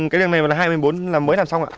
cái đường này là hai mươi bốn là mới làm xong ạ